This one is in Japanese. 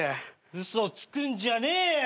嘘つくんじゃねえよ。